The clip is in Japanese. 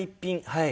はい。